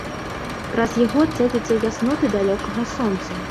Праз яго цэдзяцца ясноты далёкага сонца.